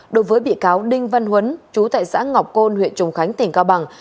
đối với bị cáo đinh văn huấn chú tại xã ngọc côn huyện trùng khánh tỉnh cao bằng